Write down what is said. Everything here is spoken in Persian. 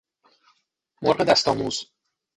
مرغ دست آموز